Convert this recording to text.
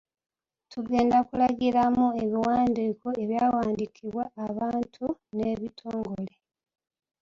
Tugenda kulagiramu ebiwandiiko ebyawandiikibwa abantu n’ebitongole.